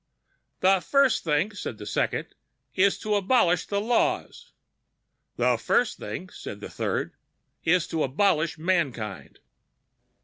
"The first thing," said the second, "is to abolish the laws." "The first thing," said the third, "is to abolish mankind."